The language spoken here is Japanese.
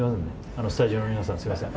スタジオの皆さん、すみません